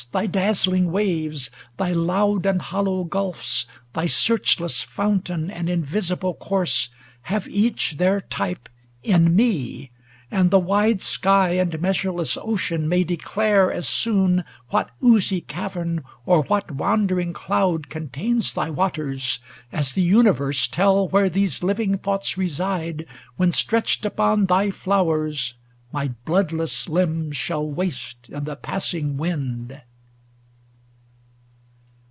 Thy dazzling waves, thy loud and hollow gulfs, Thy searchless fountain and invisible course. Have each their type in me ; and the wide sky And measureless ocean may declare as soon What oozy cavern or what wandering cloud 510 Contains thy waters, as the universe Tell where these living thoughts reside, when stretched Upon thy flowers my bloodless limbs shall waste I' the passing wind